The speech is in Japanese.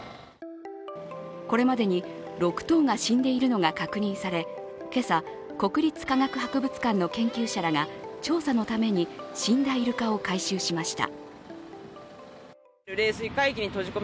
これまでに６頭が死んでいるのが確認され今朝、国立科学博物館の研究者らが調査のために死んだイルカを回収しました。